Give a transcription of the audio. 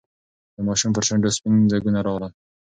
د ماشوم پر شونډو سپین ځگونه راغلل.